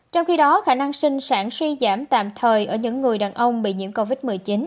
trong khi đó khả năng sinh sản suy giảm tạm thời ở những người đàn ông bị nhiễm covid một mươi chín